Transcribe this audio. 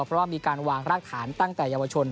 เพราะว่ามีการวางรากฐานตั้งแต่เยาวชน